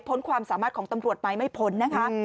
ความสามารถของตำรวจไหมไม่พ้นนะคะ